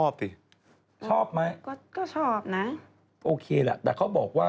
พันทีรับบรรยาย